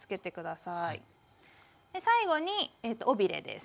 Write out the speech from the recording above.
最後に尾ビレです。